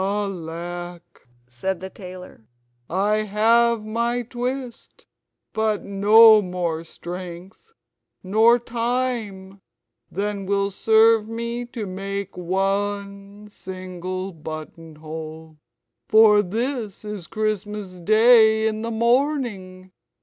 "Alack," said the tailor, "I have my twist; but no more strength nor time than will serve to make me one single buttonhole; for this is Christmas Day in the Morning!